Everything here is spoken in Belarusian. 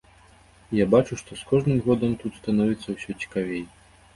І я бачу, што з кожным годам тут становіцца ўсё цікавей.